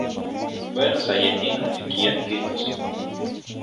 Bueno sa ye nin oniniquiya niquihtoz